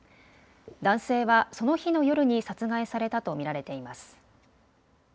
男性はその日の夜に殺害されたと見られています。